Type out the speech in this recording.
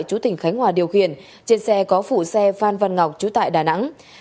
chủ tỉnh khánh hòa điều khiển trên xe có phụ xe phan văn ngọc chủ tại đà nẵng